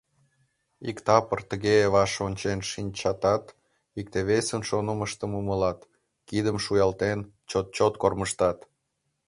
Иктапыр тыге ваш ончен шинчатат, икте-весын шонымыштым умылат, кидым шуялтен, чот-чот кормыжтат.